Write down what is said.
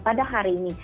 pada hari ini